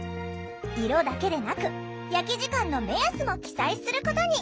色だけでなく焼き時間の目安も記載することに。